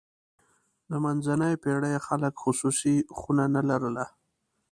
د منځنیو پېړیو خلک خصوصي خونه نه لرله.